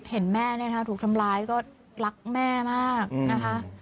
เห็นแม่ถูกทำร้ายก็รักแม่มากนะคะ